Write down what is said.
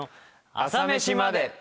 『朝メシまで。』。